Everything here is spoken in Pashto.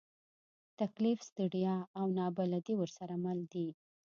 تکلیف، ستړیا، او نابلدي ورسره مل دي.